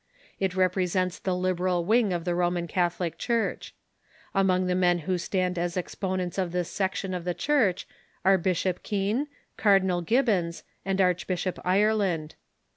It represents the liberal wing of the Roman Catholic Church. Among the men who stand as exponents of this section of the Church are Bishop Keane, Cardinal Gib bons, and Archbishop Ireland.